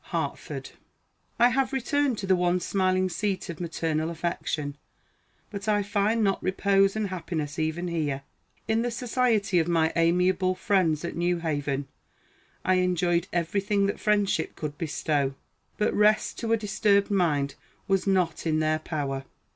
HARTFORD. I have returned to the once smiling seat of maternal affection; but I find not repose and happiness even here. In the society of my amiable friends at New Haven, I enjoyed every thing that friendship could bestow; but rest to a disturbed mind was not in their power.